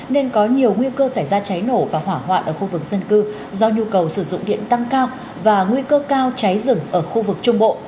nên có nhiều nguy cơ xảy ra cháy nổ và hỏa hoạn ở khu vực dân cư do nhu cầu sử dụng điện tăng cao và nguy cơ cao cháy rừng ở khu vực trung bộ